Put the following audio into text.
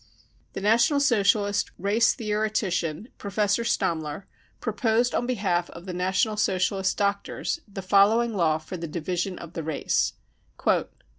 The National Socialist 44 race theoretician," Professor Stammler, proposed on behalf of the National Socialist doctors the following law for the 44 Division of the Race ": 44 i.